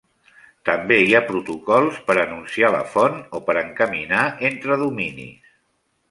També hi ha protocols que per anunciar la font o per encaminar entre dominis.